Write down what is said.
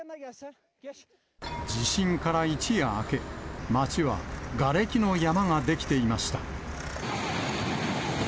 地震から一夜明け、町はがれきの山が出来ていました。